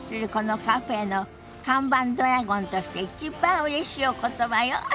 このカフェの看板ドラゴンとして一番うれしいお言葉よ。